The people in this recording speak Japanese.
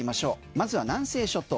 まずは南西諸島。